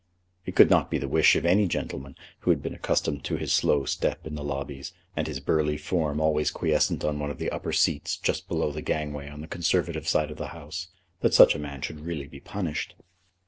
It could not be the wish of any gentleman, who had been accustomed to his slow step in the lobbies, and his burly form always quiescent on one of the upper seats just below the gangway on the Conservative side of the House, that such a man should really be punished.